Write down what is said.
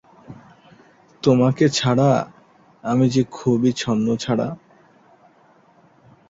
পরে স্পেনে প্রবেশ করে সেখানেও ইহুদীদের হত্যা করতে থাকে।